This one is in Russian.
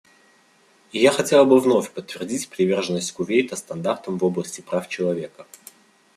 И я хотела бы вновь подтвердить приверженность Кувейта стандартам в области прав человека.